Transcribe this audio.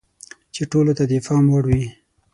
چې ټولو ته د افهام وړ وي.